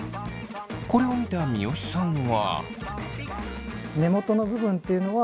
これを見た三好さんは。